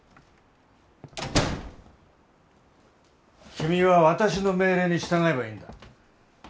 君は私の命令に従えばいいんだ。